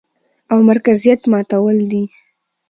او مرکزيت ماتول دي،